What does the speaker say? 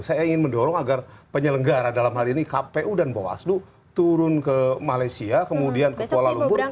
saya ingin mendorong agar penyelenggara dalam hal ini kpu dan bawaslu turun ke malaysia kemudian ke kuala lumpur